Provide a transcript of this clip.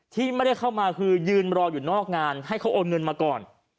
ที่ไม่ได้เข้ามาคือยืนรออยู่นอกงานให้เขาโอนเงินมาก่อน